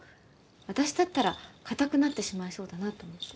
私だったら硬くなってしまいそうだなと思って。